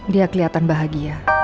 dia keliatan bahagia